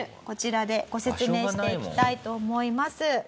こちらでご説明していきたいと思います。